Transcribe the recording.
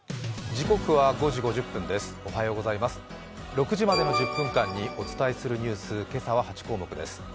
６時までの１０分間にお伝えするニュース、今日は８項目です。